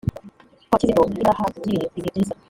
Kwa Kizito nari narahagiriye ibihe byiza